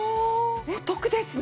お得ですね！